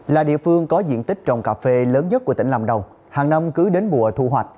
là địa phương có diện tích trồng cà phê lớn nhất của tỉnh lâm đồng hàng năm cứ đến mùa thu hoạch